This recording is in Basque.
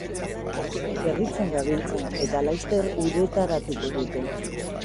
Berritzen dabiltza, eta laister uretaratuko dute.